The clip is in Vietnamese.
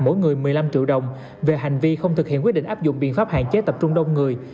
mỗi người một mươi năm triệu đồng về hành vi không thực hiện quyết định áp dụng biện pháp hạn chế tập trung đông người